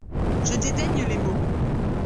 Je dédaigne les mots.